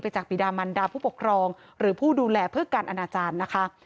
จากปีดามันดาผู้ปกครองหรือผู้ดูแลเพื่อการอนาจารย์นะคะ